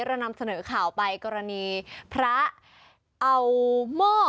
เรานำเสนอข่าวไปกรณีพระเอาหม้อ